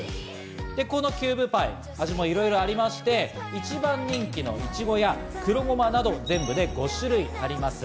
このキューブパイ、味もいろいろありまして、一番人気のいちごや黒ゴマなど、全部で５種類あります。